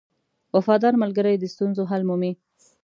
• وفادار ملګری د ستونزو حل مومي.